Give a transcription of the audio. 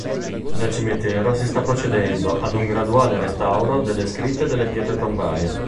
Nel cimitero si sta procedendo ad un graduale restauro delle scritte delle pietre tombali.